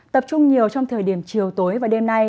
tập trung nhiều trong thời điểm chiều tối và đêm nay